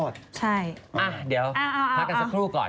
เดี๋ยวพักกันสักครู่ก่อน